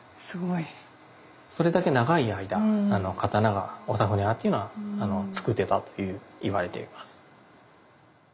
それだけ長い間刀が長船派っていうのは作ってたといわれています。